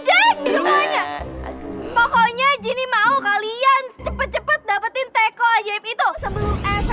hai pohon jenia mau kalian cepat cepat dapetin take aja itu sebelum efek teste